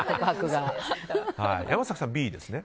山崎さん、Ｂですね。